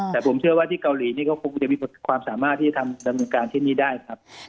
แต่ผมเชื่อว่าที่เกาหลีนี่ก็คงจะมีความสามารถที่จะทำดำเนินการที่นี่ได้ครับ